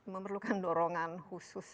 memerlukan dorongan khusus